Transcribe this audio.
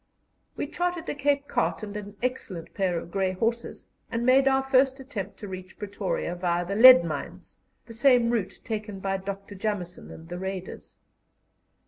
We chartered a Cape cart and an excellent pair of grey horses, and made our first attempt to reach Pretoria via the lead mines, the same route taken by Dr. Jameson and the Raiders.